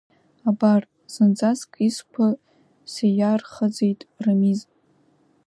Абар, зынӡаск изқәа сеиаирхаӡеит Рамиз.